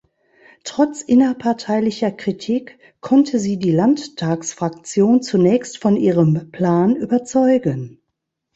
Trotz innerparteilicher Kritik konnte sie die Landtagsfraktion zunächst von ihrem Plan überzeugen.